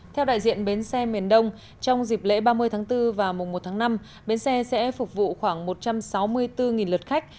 theo đại diện bến xe miền đông trong dịp lễ ba mươi tháng bốn và mùa một tháng năm bến xe sẽ phục vụ khoảng một trăm sáu mươi bốn lượt khách